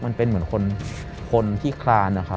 มันเป็นเหมือนคนที่คลานนะครับ